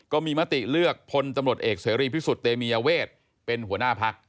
มติเลือกพลตำรวจเอกเสรีพิสุทธิเตมียเวทเป็นหัวหน้าพัก